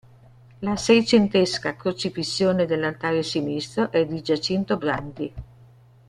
La seicentesca "Crocifissione" dell'altare sinistro è di Giacinto Brandi.